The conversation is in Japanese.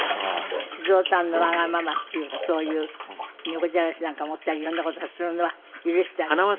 静夫さんのわがままっていうかそういう猫じゃらしなんか持ったりいろんな事をするのは許してあげてる？